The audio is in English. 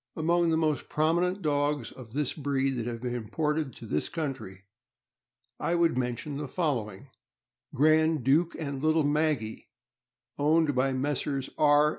Among the most prominent dogs of this breed that have been imported to this country, I would mention the following: Grand Duke and Little Maggie, owned by Messrs. R.